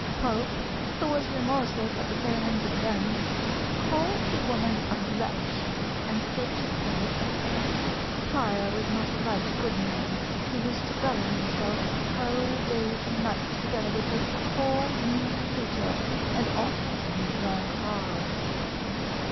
Pope, who was remorseless at the failings of friends, calls the woman a wretch, and said to Spence, "Prior was not a right good man; he used to bury himself for whole days and nights together with this poor mean creature, and often drank hard."